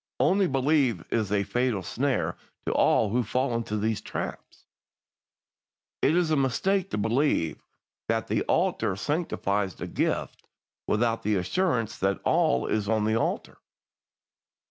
'Only believe' is a fatal snare to all who fall into these traps. "It is a mistake to believe that the altar sanctifies the gift without the assurance that all is on the altar.